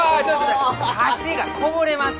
菓子がこぼれます！